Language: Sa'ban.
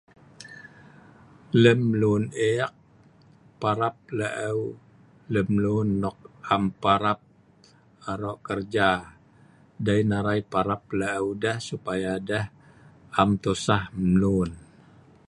Lem lun ek parap laeu' lemlun nok am parap aro' keja dei narai parap laeu' deh supaya deh ap tosah mlun.